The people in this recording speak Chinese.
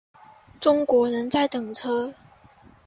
中国人在等车